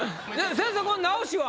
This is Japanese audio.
先生これ直しは？